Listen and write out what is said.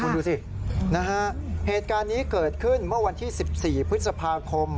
คุณดูสินะฮะเหตุการณ์นี้เกิดขึ้นเมื่อวันที่๑๔พฤษภาคม